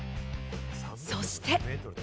そして。